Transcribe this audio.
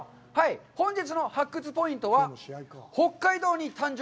本日の発掘ポイントは「北海道に誕生！